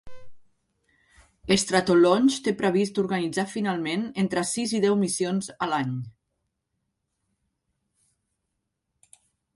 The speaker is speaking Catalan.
Stratolaunch té previst organitzar finalment entre sis i deu missions a l'any.